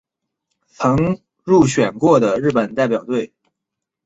曾入选过的日本代表队。